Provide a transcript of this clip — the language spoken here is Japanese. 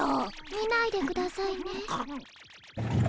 見ないでくださいね。